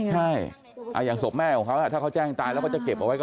ใช่อย่างศพแม่ของเขาถ้าเขาแจ้งตายแล้วเขาจะเก็บเอาไว้ก่อน